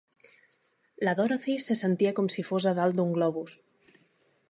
La Dorothy se sentia com si fos a dalt d'un globus.